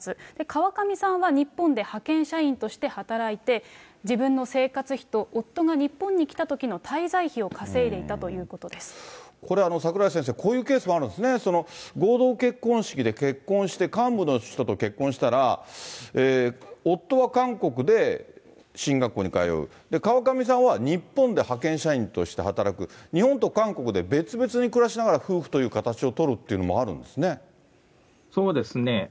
川上さんは日本で派遣社員として働いて、自分の生活費と夫が日本に来たときの滞在費を稼いでいたというここれ、櫻井先生、こういうケースもあるんですね、合同結婚式で結婚して、幹部の人と結婚したら、夫は韓国で神学校に通う、川上さんは日本で派遣社員として働く、日本と韓国で別々に暮らしながら夫婦という形をとるっていうのもそうですね。